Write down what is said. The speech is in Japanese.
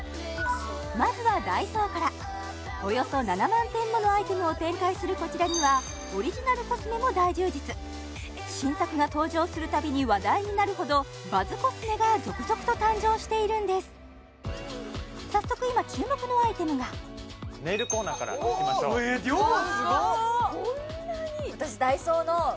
まずはＤＡＩＳＯからおよそ７万点ものアイテムを展開するこちらにはオリジナルコスメも大充実新作が登場するたびに話題になるほど早速今注目のアイテムがネイルコーナーからいきましょう量すごっこんなに！？